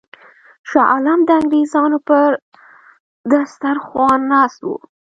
شاه عالم د انګرېزانو پر سترخوان ناست وو.